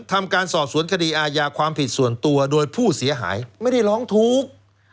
ทำการสอบสวนคดีอาญาความผิดส่วนตัวโดยผู้เสียหายไม่ได้ร้องทุกข์